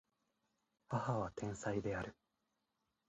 母は天才である